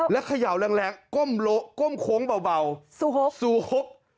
และเขย่าแรงก้มโค้งเบาสู่หก